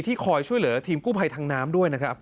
คอยช่วยเหลือทีมกู้ภัยทางน้ำด้วยนะครับ